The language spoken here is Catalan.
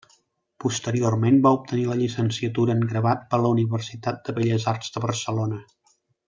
Posteriorment va obtenir la llicenciatura en Gravat per la Universitat de Belles Arts de Barcelona.